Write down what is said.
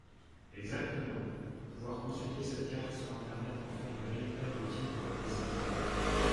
Exactement ! Pouvoir consulter cette carte sur internet en fait un véritable outil pour la décision.